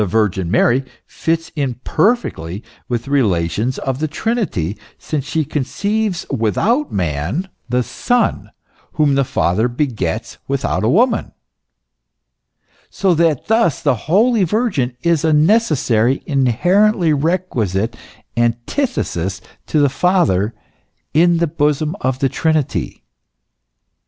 Virgin Mary fits in perfectly with the relations of the Trinity, since she conceives without man the Son whom the Father begets without woman ;* so that thus the Holy Virgin is a necessary, inherently requisite antithesis to the Father in the bosom of the Trinity.